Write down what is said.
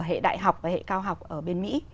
hệ đại học và hệ cao học ở bên mỹ